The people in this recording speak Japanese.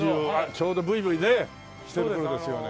ちょうどブイブイねしてる頃ですよね。